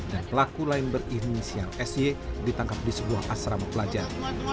dan pelaku lain berinisial sy ditangkap di sebuah asrama pelajar